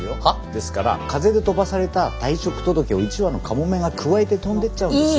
ですから風で飛ばされた退職届を一羽のカモメがくわえて飛んでっちゃうんですよ。